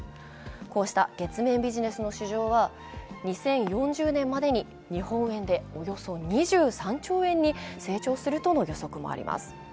こうした月面ビジネスの市場は２０４０年までに日本円でおよそ２３兆円に成長するとの予測もあります。